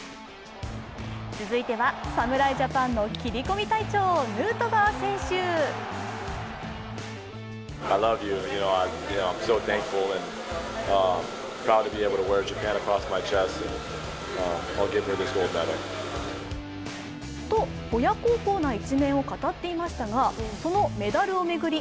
続いては侍ジャパンの斬り込み隊長、ヌートバー選手。と親孝行な一面を語っていましたがそのメダルを巡り